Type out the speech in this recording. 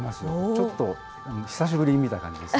ちょっと久しぶりに見た感じです